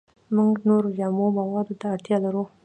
موږ نورو خامو موادو ته اړتیا لرو